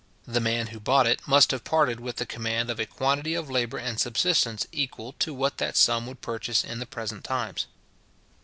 The man who bought it must have parted with the command of a quantity of labour and subsistence equal to what that sum would purchase in the present times.